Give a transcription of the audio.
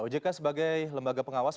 ojk sebagai lembaga pengawas